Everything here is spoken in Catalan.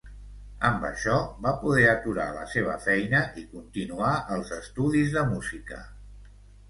Amb això, va poder aturar la seva feina i continuar els estudis de música.